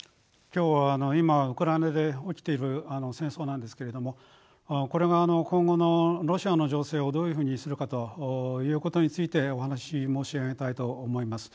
今日は今ウクライナで起きている戦争なんですけれどもこれは今後のロシアの情勢をどういうふうにするかということについてお話し申し上げたいと思います。